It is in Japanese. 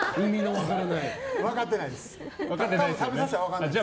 分かってないです。